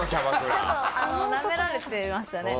ちょっとなめられてましたね